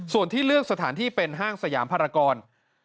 ส่วนที่เลือกสถานที่เป็นห้างสยามภารกร